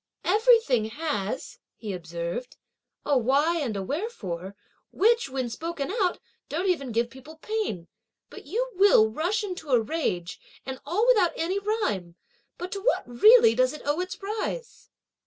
"Every thing has," he observed, "a why and a wherefore; which, when spoken out, don't even give people pain; but you will rush into a rage, and all without any rhyme! but to what really does it owe its rise?"